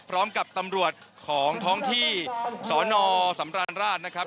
พร้อมกับตำรวจของท้องที่สนสำราญราชนะครับ